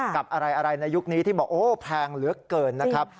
กับอะไรในยุคนี้ที่บอกโอ้แพงเหลือเกินนะครับ